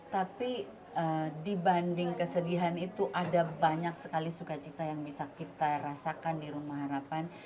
tapi dibanding kesedihan itu ada banyak sekali suka cita yang bisa kita rasakan di rumah harapan